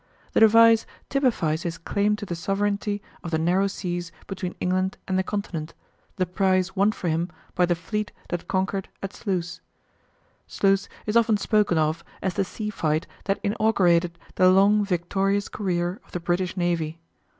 The device typifies his claim to the sovereignty of the narrow seas between England and the Continent, the prize won for him by the fleet that conquered at Sluys. Sluys is often spoken of as the sea fight that inaugurated the long victorious career of the British Navy.